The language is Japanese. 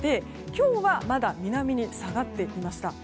今日はまだ南に下がっていました。